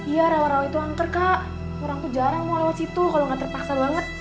iya rawa rawa itu angker kak orang tuh jarang mau lewat situ kalau nggak terpaksa banget